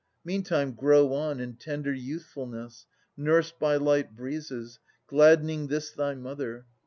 Meantime grow on in tender youthfulness. Nursed by light breezes, gladdening this thy mother.